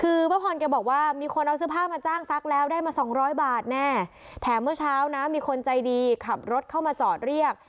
คือป้าพรแกบอกว่ามีคนเอาเสื้อผ้ามาจ้างซักแล้วได้มาสองร้อยบาทแน่แถมเมื่อเช้านะมีคนใจดีขับรถเข้ามาจอดเรียก